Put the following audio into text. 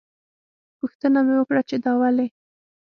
پوښتنه مې وکړه چې دا ولې.